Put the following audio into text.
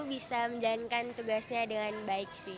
bisa menjalankan tugasnya dengan baik sih